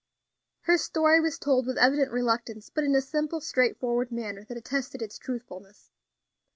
Her story was told with evident reluctance, but in a simple, straightforward manner, that attested its truthfulness.